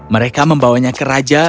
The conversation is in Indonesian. mereka membawanya ke raja